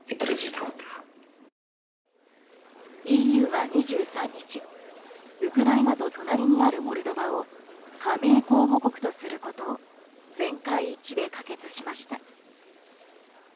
ＥＵは２３日ウクライナと隣にあるモルドバを加盟候補国とすることを全会一致で可決しました。